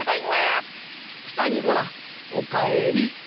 ピタにゴラおかえり。